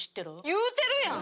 言うてるやん！